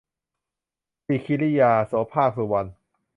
สิคีริยา - โสภาค สุวรรณ